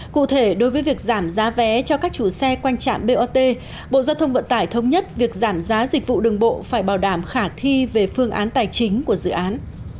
cụ thể đối với việc giảm giá vé cho các chủ xe quanh trạm bot bộ giao thông vận tải thống nhất việc giảm giá dịch vụ đường bộ phải bảo đảm khả thi về phương án tài chính của dự án